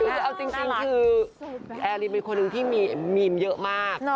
คือเอาจริงคือแอร์รินเป็นคนหนึ่งที่มีมเยอะมาก